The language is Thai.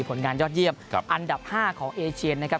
ผลงานยอดเยี่ยมอันดับ๕ของเอเชียนนะครับ